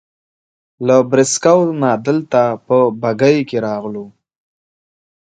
له بریساګو نه دلته په بګۍ کې راغلو.